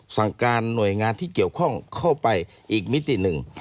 สั่งการหน่วยงานที่เกี่ยวข้องเข้าไปอีกมิติหนึ่ง